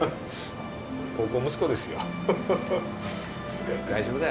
孝行息子ですよ。